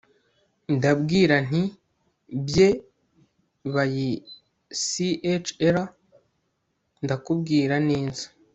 ndabwira nti bye bayi chr ndakubwira ninza